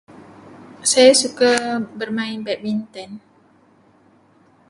Saya suka bermain badminton.